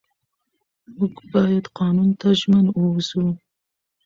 موږ باید قانون ته ژمن واوسو